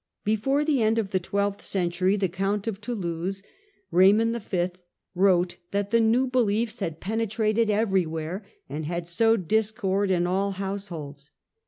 Before the end of the twelfth century the Count of Toulouse, Raymond V., wrote that the new beliefs had penetrated everywhere, and had sowed discord in all households.